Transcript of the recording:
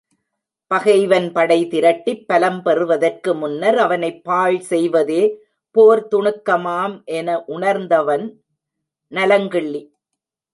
பகைவன் படை திரட்டிப் பலம் பெறுவதற்கு முன்னர் அவனைப் பாழ் செய்வதே போர் துணுக்கமாம் என உணர்ந்தவன் நலங்கிள்ளி.